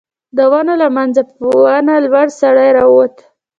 د ونو له مينځه په ونه لوړ سړی را ووت.